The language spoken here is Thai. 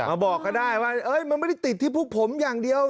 บอกก็ได้ว่ามันไม่ได้ติดที่พวกผมอย่างเดียว